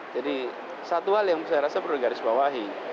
jadi satu hal yang saya rasa perlu digarisbawahi